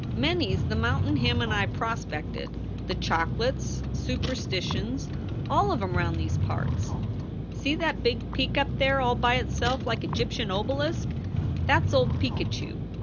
Many s the mountain him and I prospected, the Choc luts, Sooper stitions, all of em round these parts. See that big peak up ii 4 SOULS FOR SALE there all by itself like a Gyptian obalisk? That s old Picacho.